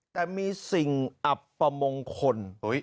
แต่มีสิ่งอับประมงคล